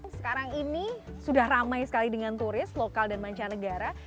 sekarang ini sudah ramai sekali dengan turis lokal dan mancanegara